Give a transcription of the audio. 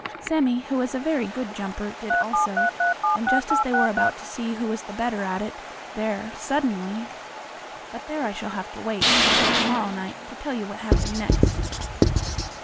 Sammie, who was a very good jumper, did also, and just as they were about to see who was the better at it, there suddenly But there, I shall have to wait until to morrow night to tell you what happened next.